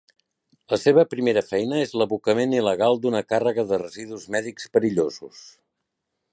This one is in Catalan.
La seva primera feina és l'abocament il·legal d'una càrrega de residus mèdics perillosos.